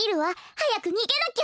はやくにげなきゃ！